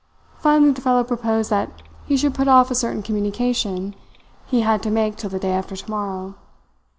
Finally the fellow proposed that he should put off a certain communication he had to make till the day after tomorrow.